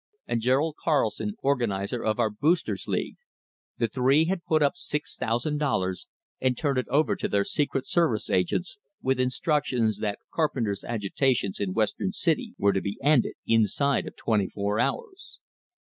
and Gerald Carson, organizer of our "Boosters' League." These three had put up six thousand dollars, and turned it over to their secret service agents, with instructions that Carpenter's agitations in Western City were to be ended inside of twenty four hours.